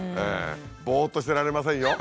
ぼっとしてられませんよ。